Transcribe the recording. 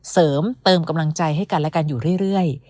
เสริมเติมกำลังใจให้กันและกันอยู่เรื่อย